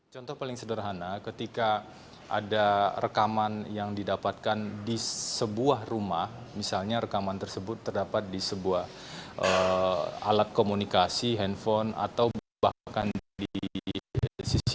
contoh paling sederhana ketika ada rekaman yang didapatkan di sebuah rumah misalnya rekaman tersebut terdapat di sebuah alat komunikasi handphone atau bahkan di sisi lain